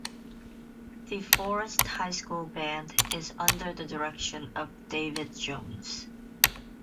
The Forest High School Band is under the direction of David Jones.